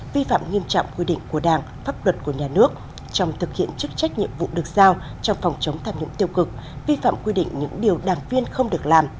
vi phạm nghiêm trọng quy định của đảng pháp luật của nhà nước trong thực hiện chức trách nhiệm vụ được giao trong phòng chống tham nhũng tiêu cực vi phạm quy định những điều đảng viên không được làm